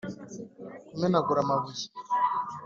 kumenagura amabuye